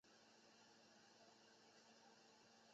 匈牙利的纯金币从此被称为达克特。